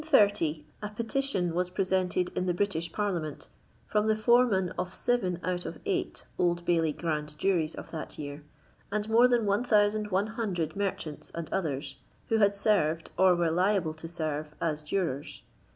48 In 1890 a petition was {>re8eiited in the British Parliament, from the foremen of seven out of eight old Bailey Grand Juries of that year, and more than 1100 merchants and others, who had served, or were liable to serve, as jurors.